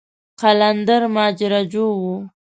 قلندر ماجراجو و.